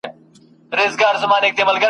له شپانه سره یې وړي د شپېلیو جنازې دي !.